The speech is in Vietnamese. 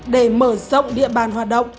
để mở rộng địa bàn hoạt động